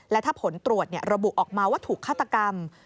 และถ้าผลตรวจระบุออกมาว่าถูกฆาตกรรม